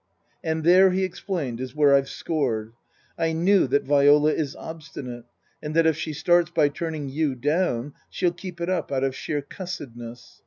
" And there," he explained, " is where I've scored. I knew that Viola is obstinate, and that if she starts by turning you down she'll keep it up out of sheer cussed ness.